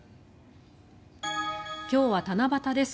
今日は七夕です。